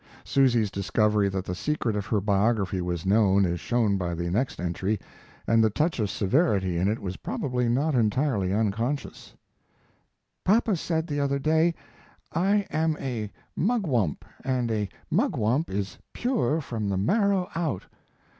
Susy's discovery that the secret of her biography was known is shown by the next entry, and the touch of severity in it was probably not entirely unconscious: Papa said the other day, "I am a mugwump and a mugwump is pure from the marrow out."